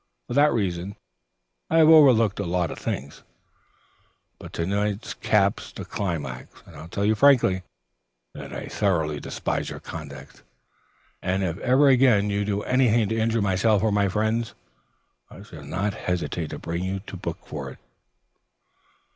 For that reason I have overlooked lots of things, but to night caps the climax, and I tell you frankly that I thoroughly despise your conduct, and if ever again you do anything to injure myself or my friends, I shall not hesitate to bring you to book for it."